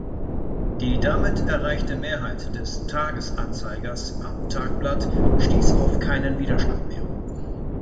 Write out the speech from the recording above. Die damit erreichte Mehrheit des "Tages-Anzeigers" am "Tagblatt" stiess auf keinen Widerstand mehr.